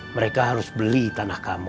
mereka harus beli tanah kamu